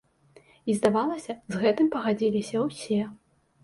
І, здавалася, з гэтым пагадзіліся ўсе.